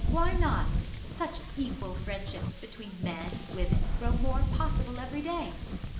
Why not? Such equal friendships between men and women grow more possible every day.